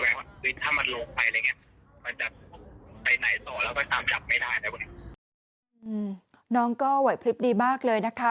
อุ้นน้องก็ไขว่ภิพิษดีมากเลยนะคะ